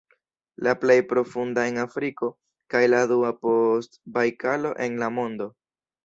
La plej profunda en Afriko kaj la dua post Bajkalo en la mondo.